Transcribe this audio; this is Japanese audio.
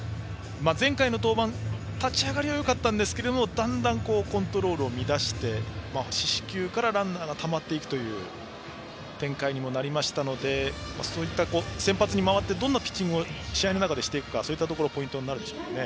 前回登板、立ち上がりはよかったんですけどもだんだんコントロールを乱して四死球からランナーがたまっていくという展開にもなりましたので先発に回ってどんなピッチングを試合の中でしていくかそういったところがポイントになるでしょうね。